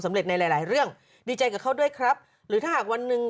เร็จในหลายหลายเรื่องดีใจกับเขาด้วยครับหรือถ้าหากวันหนึ่ง